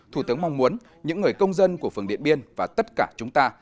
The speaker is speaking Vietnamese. thủ tướng mong muốn những người công dân của phường điện biên và tất cả chúng ta